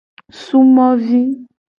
Sumovi.